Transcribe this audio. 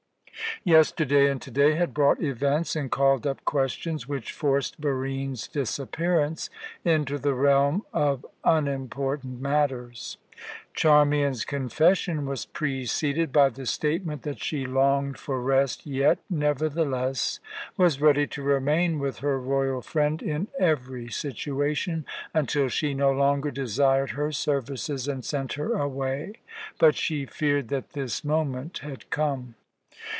Yesterday and to day had brought events and called up questions which forced Barine's disappearance into the realm of unimportant matters. Charmian's confession was preceded by the statement that she longed for rest yet, nevertheless, was ready to remain with her royal friend, in every situation, until she no longer desired her services and sent her away. But she feared that this moment had come.